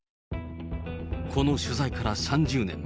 この取材から３０年。